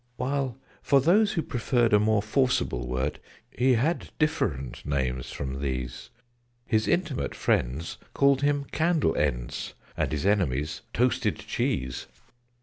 While, for those who preferred a more forcible word, He had different names from these: His intimate friends called him "Candle ends," And his enemies "Toasted cheese."